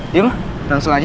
yuk langsung aja